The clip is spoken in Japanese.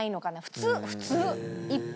普通普通。